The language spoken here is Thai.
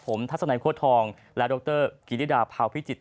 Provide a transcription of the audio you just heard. ผมทัศนัยโค้ดทองและดรกิริดาพาวพิจิตร